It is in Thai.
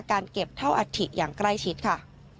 การเก็บเท่าอัฐิอย่างใกล้ชิดค่ะ